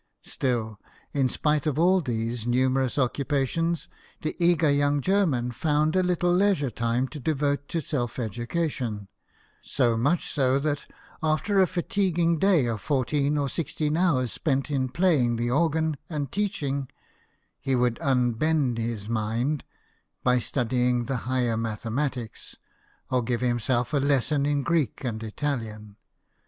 Still, in spite of all these numerous occupations, the eager young German found a little leisure time to devote to self education ; so much so that, after a fatiguing day of fourteen or sixteen hours spent in playing the organ and teaching, he would " unbend his mind " by studying the higher mathematics, or give himself a lesson in Greek and Italian.